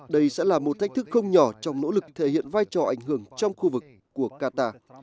đây sẽ là một thách thức không nhỏ trong nỗ lực thể hiện vai trò ảnh hưởng trong khu vực của qatar